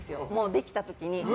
できた時に。